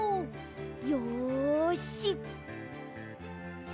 よし！